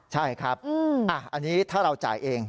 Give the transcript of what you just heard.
ใช่ครับอันนี้ถ้าเราจ่ายเอง